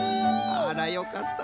「あらよかったわ。